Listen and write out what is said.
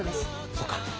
そうか。